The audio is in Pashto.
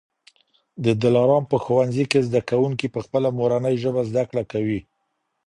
د دلارام په ښوونځي کي زده کوونکي په خپله مورنۍ ژبه زده کړه کوي.